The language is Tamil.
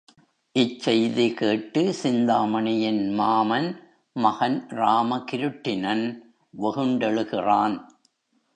இச்செய்தி கேட்டு, சிந்தாமணியின் மாமன், மகன் ராமகிருட்டிணன் வெகுண்டெழுகிறான்.